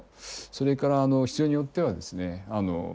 それから必要によってはですね